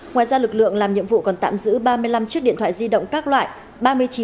ngoài ra lực lượng làm nhiệm vụ còn tạm giữ ba mươi năm chiếc điện thoại di động các loại